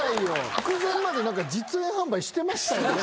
直前までなんか実演販売してましたよね